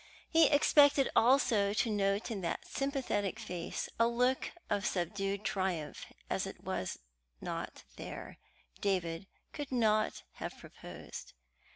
he expected also to note in that sympathetic face a look of subdued triumph, and as it was not there, David could not have proposed.